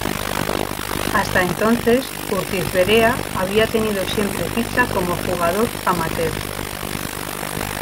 Hasta entonces Urtizberea había tenido siempre ficha como jugador amateur.